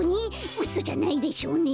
うそじゃないでしょうね。